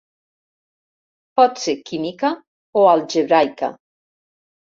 Pot ser química o algebraica.